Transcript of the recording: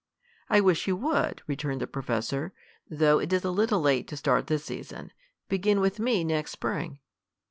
"I wish you would," returned the professor. "Though it is a little late to start this season. Begin with me next spring."